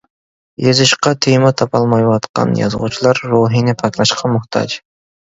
يېزىشقا تېما تاپالمايۋاتقان يازغۇچىلار روھىنى پاكلاشقا موھتاج.